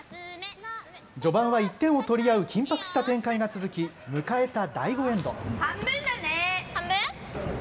序盤は１点を取り合う緊迫した展開が続き、迎えた第５エンド。